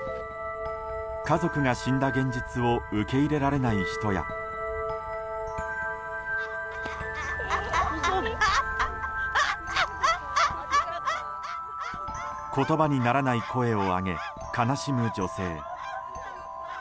家族が死んだ現実を受け入れられない人や言葉にならない声を上げ悲しむ女性。